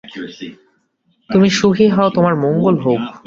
তুমি সুখী হও, তোমার মঙ্গল হউক।